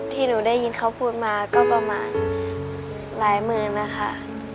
ที่หนูได้ยินเขาพูดมาก็ประมาณหลายหมื่นนะคะ